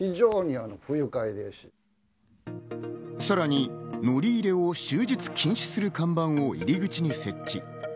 さらに乗り入れを終日禁止する看板を入り口に設置。